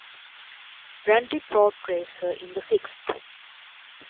Brandy portrays her in the sixth.